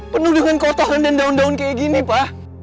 penuh dengan kotoran dan daun daun kayak gini pak